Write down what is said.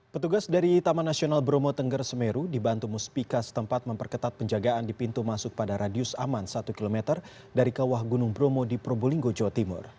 petugas dari taman nasional bromo tengger semeru dibantu muspika setempat memperketat penjagaan di pintu masuk pada radius aman satu km dari kawah gunung bromo di probolinggo jawa timur